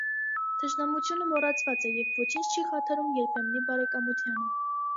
Թշնամությունը մոռացված է, և ոչինչ չի խաթարում երբեմնի բարեկամությանը։